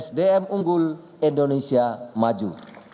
sdm unggul indonesia maju